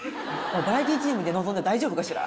バラエティーチームで臨んで大丈夫かしら？